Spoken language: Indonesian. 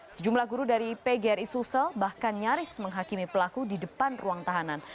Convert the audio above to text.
sejumlah guru dari pgri sulsel bahkan nyaris menghakimi pelaku di depan ruang tahanan